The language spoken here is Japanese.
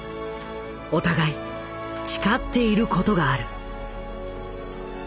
お互い誓っていることがある。